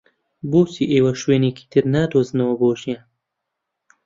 بۆچی ئێوە شوێنێکی تر نادۆزنەوە بۆ ژیان؟